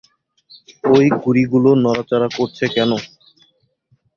ওই গুঁড়িগুলো নড়াচড়া করছে কেন?